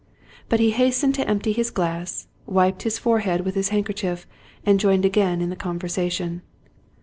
But he hastened to empty his glass, wiped his forehead with his handkerchief, and joined again in the conversation.